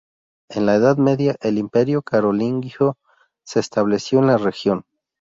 En la Edad Media, el Imperio carolingio se estableció en la región.